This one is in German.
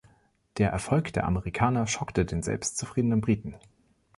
Der Erfolg der Amerikaner schockte die selbstzufriedenen Briten.